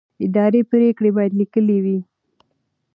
اداري پرېکړې باید لیکلې وي.